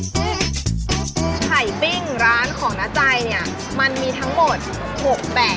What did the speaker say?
ซึ่งไข่ปิ้งร้านของน้าใจเนี่ยมันมีทั้งหมด๖แบบ